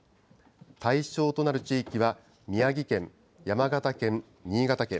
対象となる地域は、宮城県、山形県、新潟県。